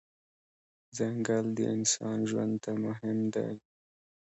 ځنګل د انسان ژوند ته مهم دی.